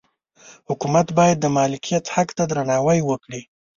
حکومت باید د مالکیت حق ته درناوی وکړي.